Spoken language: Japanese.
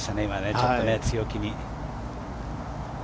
ちょっと強気に。